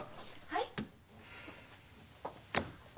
はい？